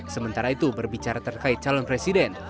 sementara itu berbicara terkait calon presiden